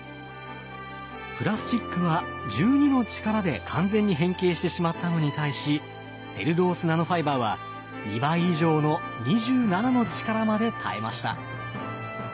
プラスチックは１２の力で完全に変形してしまったのに対しセルロースナノファイバーは２倍以上の２７の力まで耐えました。